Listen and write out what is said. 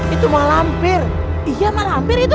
itu malam pir iya malam pir itu